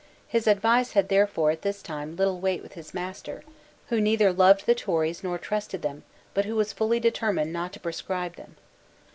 His advice had therefore, at this time, little weight with his master, who neither loved the Tories nor trusted them, but who was fully determined not to proscribe them.